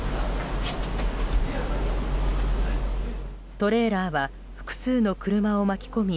トレーラーは複数の車を巻き込み